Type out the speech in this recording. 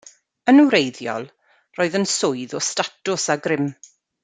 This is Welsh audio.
Yn wreiddiol, roedd yn swydd o statws a grym.